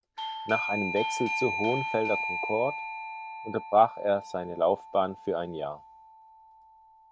Nach einem Wechsel zu Hohenfelder-Concorde unterbrach er seine Laufbahn für ein Jahr.